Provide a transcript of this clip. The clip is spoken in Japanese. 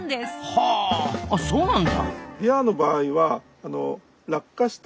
はあそうなんだ。